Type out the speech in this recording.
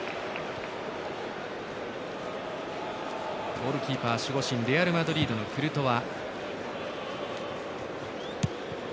ゴールキーパー、守護神レアルマドリードのクルトワ。